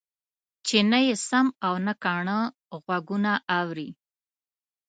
چې نه يې سم او نه کاڼه غوږونه اوري.